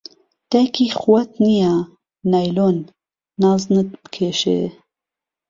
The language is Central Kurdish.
دایکی خوهت نییه، نایلۆن، نازنت بکێشێ